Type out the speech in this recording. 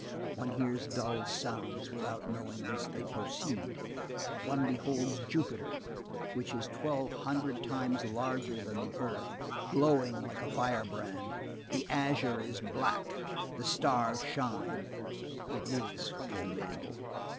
One hears dull sounds, without knowing whence they proceed; one beholds Jupiter, which is twelve hundred times larger than the earth, glowing like a firebrand, the azure is black, the stars shine; it is formidable.